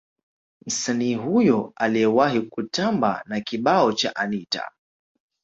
Msanii huyo aliyewahi kutamba na kibao cha Anita